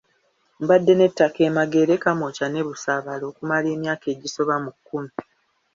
Mbadde n'ettaka e Magere, Kamwokya ne Busabaala okumala emyaka egisoba mu kkumi.